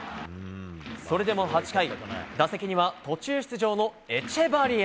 それでも８回打席には途中出場のエチェバリア。